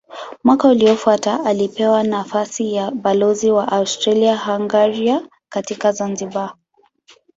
Mwaka uliofuata alipewa nafasi ya balozi wa Austria-Hungaria katika Zanzibar.